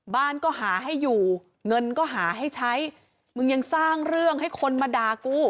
บ้านก็หาให้อยู่เงินก็หาให้ใช้มึงยังสร้างเรื่องให้คนมาด่ากู